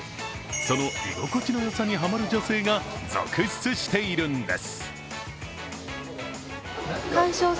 その居心地のよさにハマる女性が続出しているんです。